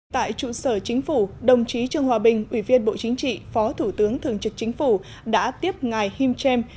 tại trụ sở chính phủ đồng chí trương hòa bình ủy viên bộ chính trị phó thủ tướng thường trực chính phủ đã tiếp ngài him chem